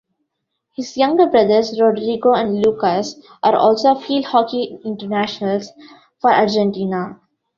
His younger brothers Rodrigo and Lucas are also field hockey internationals for Argentina.